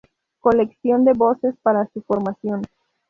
Colección de voces para su formación.